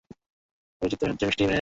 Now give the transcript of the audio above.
আমার পরিচিত সবচেয়ে মিষ্টি মেয়ে।